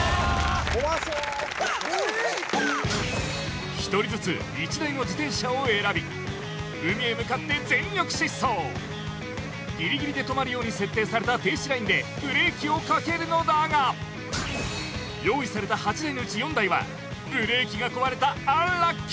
怖そう１人ずつ１台の自転車を選び海へ向かって全力疾走ギリギリで止まるように設定された停止ラインでブレーキをかけるのだが用意されたうわえ